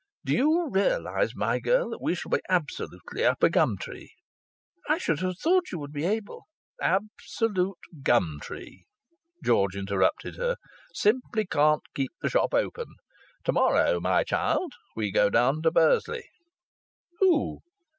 Do you realize, my girl, that we shall be absolutely up a gum tree?" "I should have thought you would be able " "Absolute gum tree!" George interrupted her. "Simply can't keep the shop open! To morrow, my child, we go down to Bursley." "Who?"